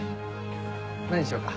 何にしようか？